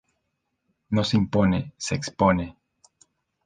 No se impone, se expone"".